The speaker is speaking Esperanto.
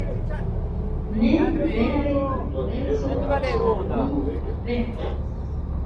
.... Ne vere konkurenco, ĉar mi venkos.